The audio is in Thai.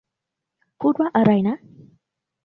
พูดว่าอะไรนะ ?